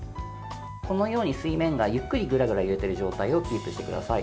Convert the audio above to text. このように水面がゆっくりぐらぐら揺れてる状態をキープしてください。